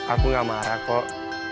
aku gak marah kok